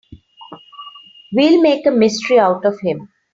We'll make a mystery out of him.